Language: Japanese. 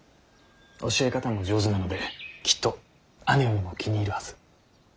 教え方も上手なのできっと義姉上も気に入るはず。